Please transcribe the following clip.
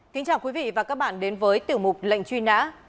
kính chào quý vị và các bạn đến với tiểu mục lệnh truy nã